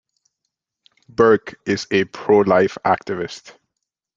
Birk is a pro-life activist.